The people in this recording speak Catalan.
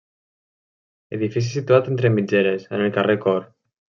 Edifici situat entre mitgeres, en el carrer Cort.